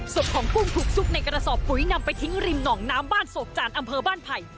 ศพของกุ้งถูกซุกในกระสอบปุ๋ยนำไปทิ้งริมหนองน้ำบ้านโศกจานอำเภอบ้านไผ่